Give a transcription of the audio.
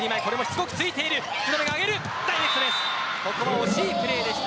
ここは惜しいプレーでした。